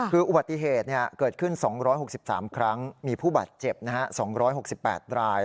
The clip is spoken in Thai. คืออุบัติเหตุเกิดขึ้น๒๖๓ครั้งมีผู้บาดเจ็บ๒๖๘ราย